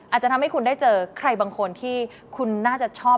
อาจจะทำให้คุณได้เจอใครบางคนที่คุณน่าจะชอบ